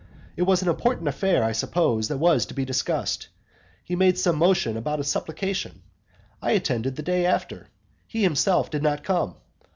It was an important affair, I suppose, that was to be discussed. He made some motion about a supplication. I attended the day after. He himself did not come.